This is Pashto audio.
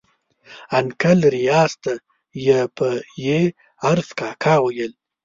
انکل ریاض ته یې په ي عرف کاکا ویل.